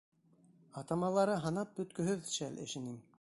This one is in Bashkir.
Атамалары һанап бөткөһөҙ шәл эшенең.